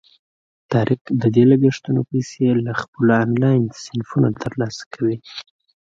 طارق د دې لګښتونو پیسې له خپلو آنلاین صنفونو ترلاسه کوي.